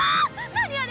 何あれ？